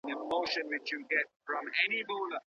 نوښتګر ذهنونه نړۍ بدلوي.